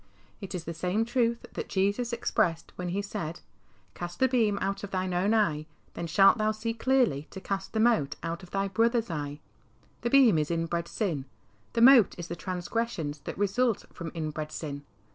It is the same truth that Jesus expressed when He said, " Cast the beam out of thine own eye, then shalt thou see clearly to cast the mote out of thy brother's eye." The beam is inbred sin ; the mote is the transgressions that result from inbred sin.